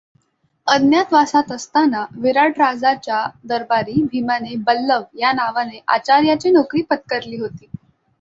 अज्ञातवासात असताना विराट राजाच्या दरबारी भीमाने बल्लव या नावाने आचार् याची नोकरी पत्करली होती.